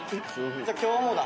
じゃあ今日もだ？